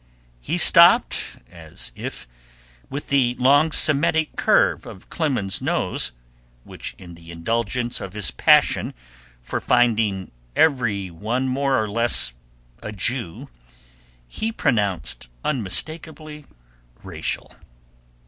He stopped as if with the long Semitic curve of Clemens's nose, which in the indulgence of his passion for finding every one more or less a Jew he pronounced unmistakably racial.